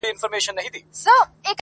په خپل ځان پسي یې بنده حُجره کړه!!